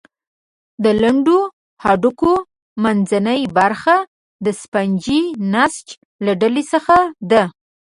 د لنډو هډوکو منځنۍ برخه د سفنجي نسج له ډلې څخه ده.